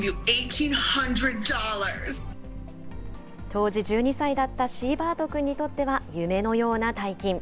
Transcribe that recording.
当時１２歳だったシーバートくんにとっては、夢のような大金。